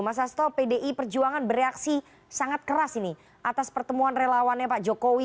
mas hasto pdi perjuangan bereaksi sangat keras ini atas pertemuan relawannya pak jokowi